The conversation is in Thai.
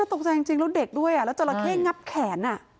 ตกใจจริงแล้วเด็กด้วยแล้วจราเข้งับแขน